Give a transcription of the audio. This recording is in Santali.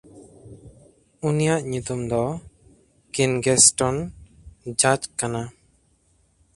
ᱩᱱᱤᱭᱟᱜ ᱧᱩᱛᱩᱢ ᱫᱚ ᱠᱤᱱᱜᱮᱥᱴᱚᱱᱼᱡᱟᱪᱠ ᱠᱟᱱᱟ᱾